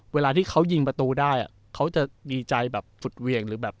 เวลาที่เขายิงประตูได้เขาจะดีใจแบบสุดเวียงหรือแบบ